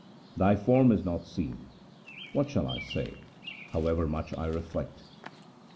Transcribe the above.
Thy form is not seen : what shall I say, however much I reflect